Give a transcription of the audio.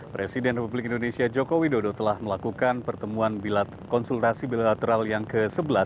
presiden republik indonesia joko widodo telah melakukan pertemuan konsultasi bilateral yang ke sebelas